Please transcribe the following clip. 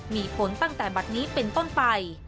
มีผลตั้งแต่บัตรนี้เป็นต้นไป